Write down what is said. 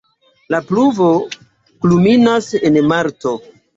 La pluvo kulminas en marto.